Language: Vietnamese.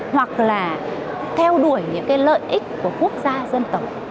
hoặc là theo đuổi những cái lợi ích của quốc gia dân tộc